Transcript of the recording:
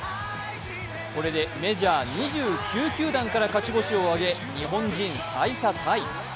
これでメジャー２９球団から勝ち星を挙げ日本人最多タイ。